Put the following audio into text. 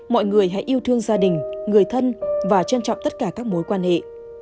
mọi người hãy yêu thương gia đình người thân và trân trọng tất cả các mối quan hệ